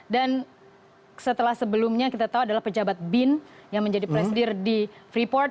dan setelah sebelumnya kita tahu adalah pejabat bin yang menjadi presidir di freeport